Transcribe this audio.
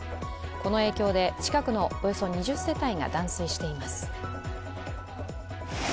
この影響で近くのおよそ２０世帯が断水しています。